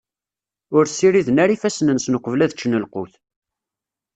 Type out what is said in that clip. Ur ssiriden ara ifassen-nsen uqbel ad ččen lqut.